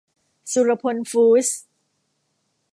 สุรพลฟู้ดส์